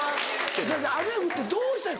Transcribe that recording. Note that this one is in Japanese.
雨降ってどうしたい？